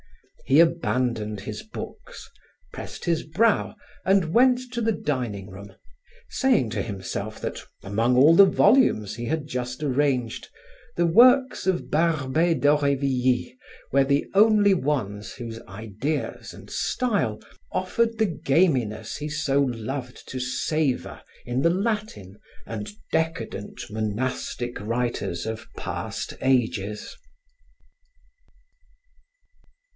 He abandoned his books, pressed his brow and went to the dining room, saying to himself that, among all the volumes he had just arranged, the works of Barbey d'Aurevilly were the only ones whose ideas and style offered the gaminess he so loved to savor in the Latin and decadent, monastic writers of past ages.